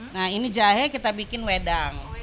nah ini jahe kita bikin wedang